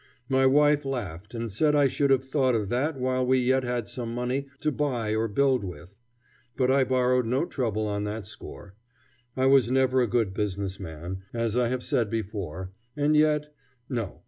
My wife laughed, and said I should have thought of that while we yet had some money to buy or build with, but I borrowed no trouble on that score. I was never a good business man, as I have said before, and yet no!